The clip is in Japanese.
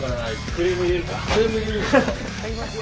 クレーム入れるよ。